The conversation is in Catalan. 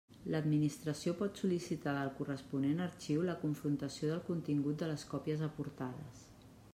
L'Administració pot sol·licitar del corresponent arxiu la confrontació del contingut de les còpies aportades.